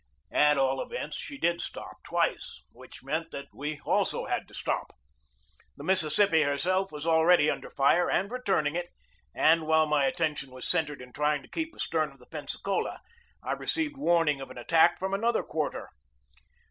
At all events, she did stop twice, which meant that we also had to stop. The Mississippi herself was already under fire and returning it, and while my attention was centred in trying to keep astern of the Pensacola, I received warning of an attack from another quarter.